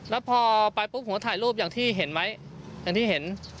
แล้วพอไปปุ๊บผมก็ถ่ายรูปอย่างที่เห็นไหมอย่างที่เห็น